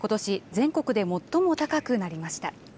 全国で最も高くなりました。